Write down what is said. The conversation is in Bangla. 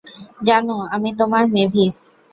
জানু, আমি তোমার মেভিস।